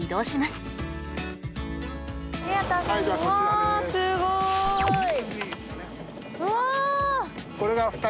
すごい！